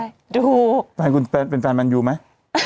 บรรยากุลเป็นฟราน์ด์มันอยู่ไหม